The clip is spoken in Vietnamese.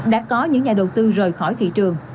đã có những nhà đầu tư rời khỏi thị trường